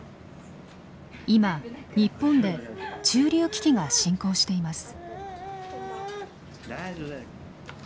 今日本で中流危機が進行しています。